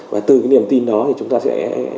và từ cái niềm tin đó thì chúng ta sẽ